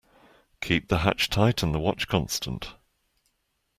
Keep the hatch tight and the watch constant.